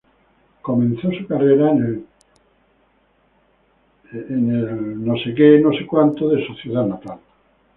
Comenzó su carrera en el Christchurch United de su ciudad natal.